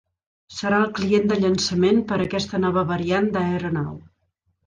Serà el client de llançament per a aquesta nova variant d'aeronau.